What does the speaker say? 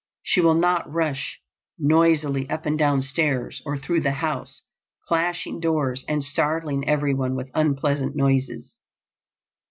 She will not rush noisily up and down stairs or through the house, clashing doors and startling everyone with unpleasant noises.